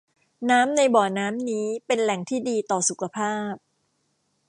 น้ำในบ่อน้ำนี้เป็นแหล่งที่ดีต่อสุขภาพ